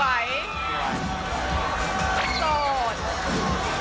เรารู้อยู่แล้วด้วยว่าไม่ใช่แน่นอนเลย